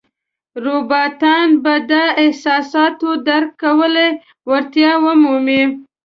روباټان به د احساساتو درک کولو وړتیا ومومي.